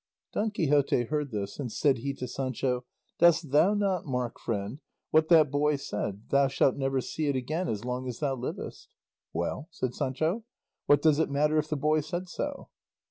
Don Quixote heard this, and said he to Sancho, "Dost thou not mark, friend, what that boy said, 'Thou shalt never see it again as long as thou livest'?" "Well," said Sancho, "what does it matter if the boy said so?"